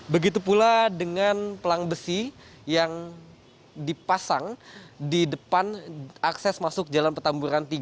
begitu pula dengan pelang besi yang dipasang di depan akses masuk jalan petamburan tiga